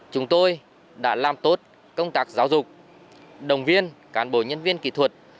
chúng tôi đã làm tốt công tác giáo dục đồng viên cán bộ nhân viên kỹ thuật